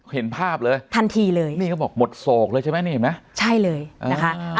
เห็นภาพเลยทันทีเลยนี่เขาบอกหมดโศกเลยใช่ไหมนี่เห็นไหมใช่เลยนะคะ